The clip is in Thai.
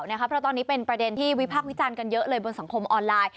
เพราะตอนนี้เป็นประเด็นที่วิพากษ์วิจารณ์กันเยอะเลยบนสังคมออนไลน์